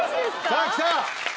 さぁきた。